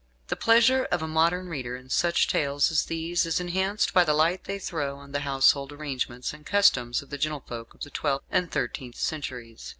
The pleasure of a modern reader in such tales as these is enhanced by the light they throw on the household arrangements and customs of the gentlefolk of the twelfth and thirteenth centuries.